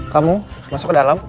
kamu masuk ke dalam